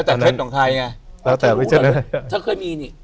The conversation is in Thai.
เธอเคยมีไหม